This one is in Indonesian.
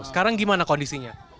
sekarang gimana kondisinya